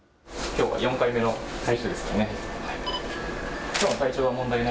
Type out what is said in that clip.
きょうは４回目の最初ですよね。